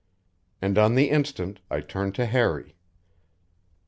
And on the instant I turned to Harry.